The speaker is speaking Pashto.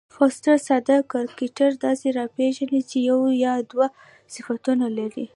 فوسټر ساده کرکټر داسي راپېژني، چي یو یا دوه صفتونه لري.